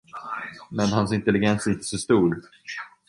Men hans intelligens är inte stor.